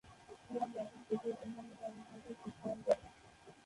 কুরআন নাজিলকৃত অন্যান্য ধর্মগ্রন্থের সত্যায়নকারী।